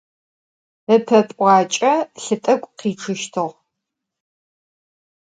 Ipe p'uaç'e lhı t'ek'u khiççıştığ.